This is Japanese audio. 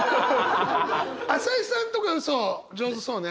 朝井さんとか嘘上手そうね。